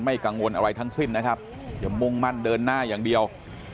กังวลอะไรทั้งสิ้นนะครับอย่ามุ่งมั่นเดินหน้าอย่างเดียว